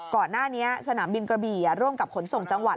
ก่อนหน้านี้สนามบินกระบี่ร่วมกับขนส่งจังหวัด